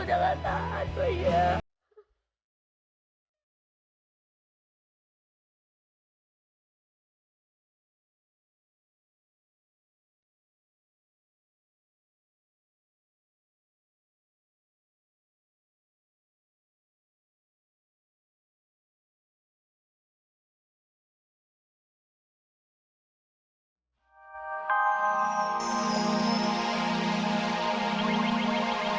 aku udah gak tahan bajak